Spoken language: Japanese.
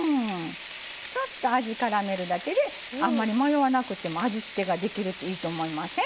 ちょっと味からめるだけであんまり迷わなくても味付けができるっていいと思いません？